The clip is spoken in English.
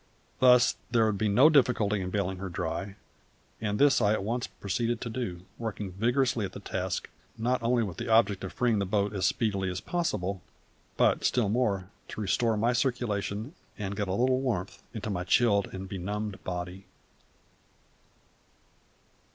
Thus there would be no difficulty in baling her dry; and this I at once proceeded to do, working vigorously at the task, not only with the object of freeing the boat as speedily as possible, but, still more, to restore my circulation and get a little warmth into my chilled and benumbed body.